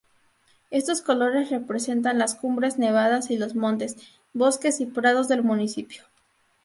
Estos colores representan las cumbres nevadas y los montes, bosques y prados del municipio.